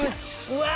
うわ！